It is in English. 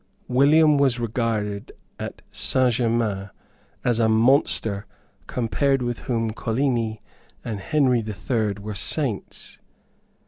William was regarded at Saint Germains as a monster compared with whom Coligni and Henry the Third were saints.